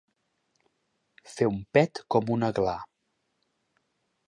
Fer un pet com un aglà.